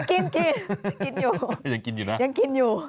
กินกินอยู่ยังกินอยู่